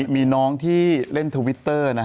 มีน้องที่เล่นทวิตเตอร์